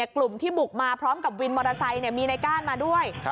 กลุ่มที่บุกมาพร้อมกับวินมอเตอร์ไซค์มีในก้านมาด้วย